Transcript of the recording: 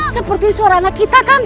seperti suara anak kita kan